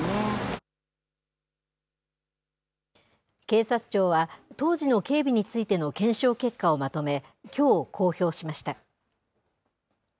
警察庁は、当時の警備についての検証結果をまとめ、きょう公表しました。